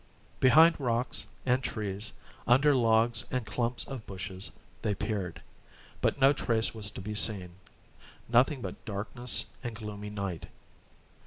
Behind rocks and trees, under logs and clumps of bushes, they peered; but no trace was to be seen nothing but darkness and gloomy night.